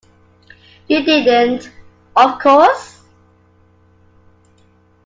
You didn't, of course?